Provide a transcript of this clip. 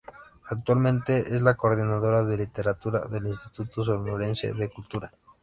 Actualmente es la Coordinadora de Literatura del Instituto Sonorense de Cultura.